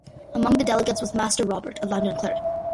Among the delegates was Master Robert, a London cleric.